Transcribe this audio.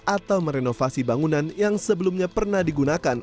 atau merenovasi bangunan yang sebelumnya pernah digunakan